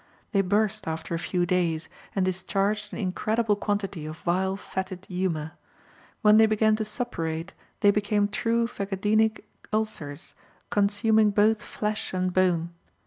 They burst after a few days, and discharged an incredible quantity of vile fetid humor. When they began to suppurate they became true phagedænic ulcers, consuming both flesh and bone.